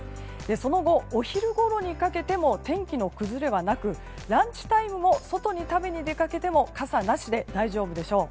その後、お昼ごろにかけても天気の崩れはなくランチタイムも外に食べに出かけても傘なしで大丈夫でしょう。